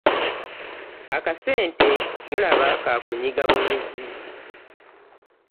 Akasente mulaba ka kunyiga bunyizi.